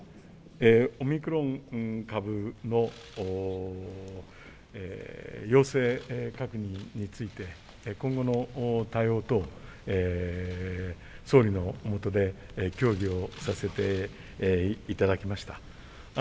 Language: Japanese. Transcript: オミクロン株の陽性確認について今後の対応と総理のもとで協議をさせていただきました。